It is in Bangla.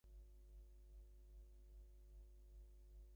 এতদিন যা ছিলুম সব যে আমার লুপ্ত হয়ে গেছে।